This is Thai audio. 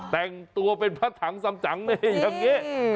แต่งตัวเป็นพระถังสำจังนี่อย่างนี้